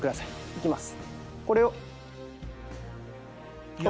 いきます。